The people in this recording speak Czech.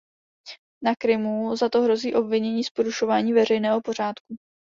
Na Krymu za to hrozí obvinění z porušování veřejného pořádku.